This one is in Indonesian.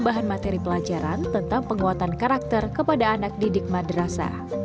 bahan materi pelajaran tentang penguatan karakter kepada anak didik madrasah